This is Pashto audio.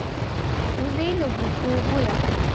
وزې له بوټو بوی اخلي